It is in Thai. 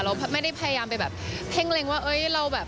เราไม่ได้พยายามไปแบบเพ่งเล็งว่า